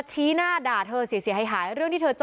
เลิกเลิกเลิกเลิกเลิกเลิก